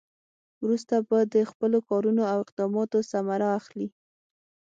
وروسته به د خپلو کارونو او اقداماتو ثمره اخلي.